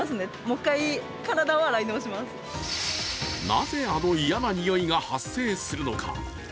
なぜあの嫌な臭いが発生するのか。